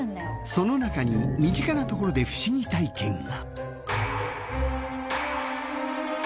その中に身近な所で不思議体験が。